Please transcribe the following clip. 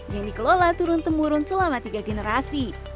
yang dikelola turun temurun selama tiga generasi